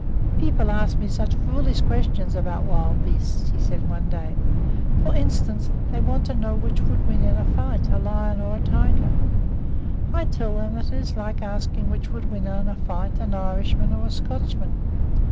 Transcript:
"People ask me such foolish questions about wild beasts," he said one day. "For instance, they want to know which would win in a fight, a lion or a tiger. I tell them that is like asking which would win in a fight, an Irishman or a Scotchman.